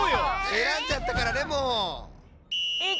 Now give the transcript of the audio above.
えらんじゃったからねもう。